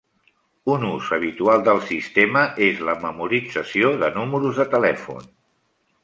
Un ús habitual del sistema és la memorització de números de telèfon.